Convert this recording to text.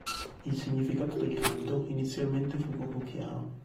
Il significato del canto inizialmente fu poco chiaro.